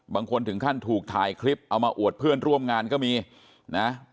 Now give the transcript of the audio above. บางคนถึงขั้นถูกถ่ายคลิปเอามาอวดเพื่อนร่วมงานก็มีนะ